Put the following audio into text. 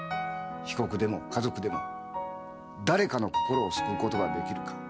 被告でも家族でも誰かの心を救うことができるか。